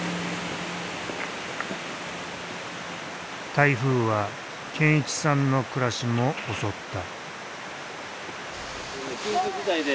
台風は健一さんの暮らしも襲った。